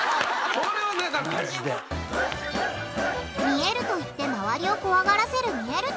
見えると言って周りを怖がらせる見える？